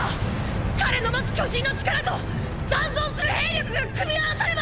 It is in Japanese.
彼の持つ「巨人の力」と残存する兵力が組み合わされば！